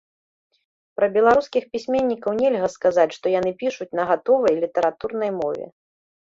Пра беларускіх пісьменнікаў нельга сказаць, што яны пішуць на гатовай літаратурнай мове.